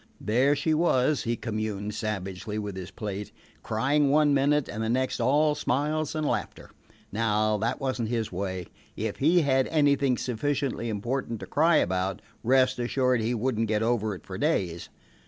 There she was, he communed savagely with his plate, crying one minute, and the next all smiles and laughter. Now that was n't his way. If he had anything sufficiently important to cry about, rest assured he would n't get over it for days.